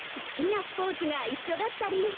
好きなスポーツが一緒だったり。